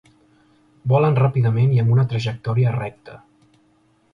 Volen ràpidament i amb una trajectòria recta.